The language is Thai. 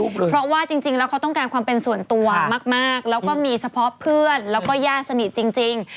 เพราะว่าจริงเขาต้องการความเป็นส่วนตัวมากแล้วก็มีเพื่อนและญ่าสนิทจริง